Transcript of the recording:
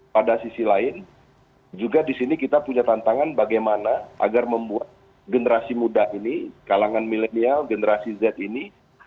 pada sisi lain juga di sini kita punya tantangan bagaimana agar membuat generasi muda ini kalangan milenial generasi z ini